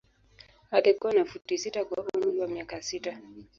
Alikuwa na futi sita kwa umri wa miaka sita.